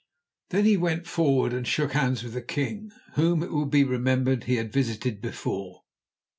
Then he went forward and shook hands with the king, whom, it will be remembered, he had visited before.